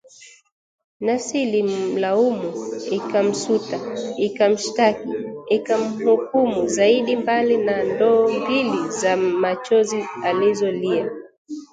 Nafsi ilimlaumu, ikamsuta, ikamshtaki, ikamhukumu zaidi mbali na ndoo mbili za machozi alizolia